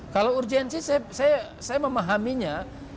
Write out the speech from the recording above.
kalau urgensi saya memahaminya